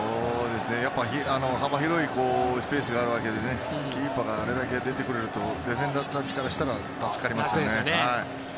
やっぱり幅広いスペースがあるわけでキーパーがあれだけ出てくれるとディフェンダーたちからしたら助かりますよね。